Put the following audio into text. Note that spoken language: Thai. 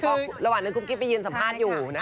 ก็ระหว่างนั้นกุ๊กกิ๊บไปยืนสัมภาษณ์อยู่นะคะ